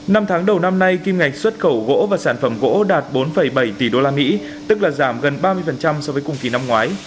năm tháng đầu năm nay kim ngạch xuất cầu gỗ và sản phẩm gỗ đạt bốn bảy tỷ đô la mỹ tức là giảm gần ba mươi so với cùng kỳ năm ngoái